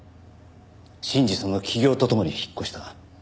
信二さんの起業とともに引っ越した。